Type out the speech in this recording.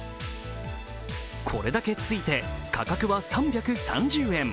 これだけついて価格は３３０円。